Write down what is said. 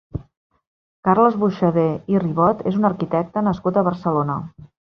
Carles Buxadé i Ribot és un arquitecte nascut a Barcelona.